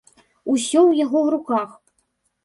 Усё ў яго руках!